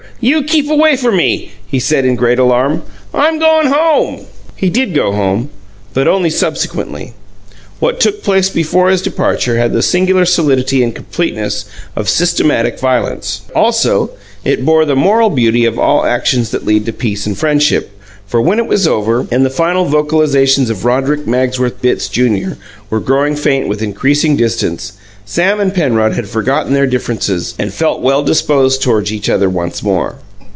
You keep away from me!" he said, in great alarm. "I'm goin' home." He did go home but only subsequently. What took place before his departure had the singular solidity and completeness of systematic violence; also, it bore the moral beauty of all actions that lead to peace and friendship, for, when it was over, and the final vocalizations of Roderick Magsworth Bitts, Junior, were growing faint with increasing distance, Sam and Penrod had forgotten their differences and felt well disposed toward each other once more.